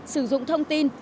sử dụng thông tin